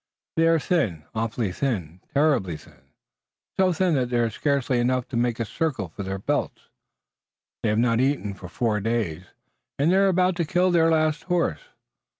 They are thin, awfully thin, terribly thin, so thin that there is scarcely enough to make a circle for their belts. They have not eaten for four days, and they are about to kill their last horse.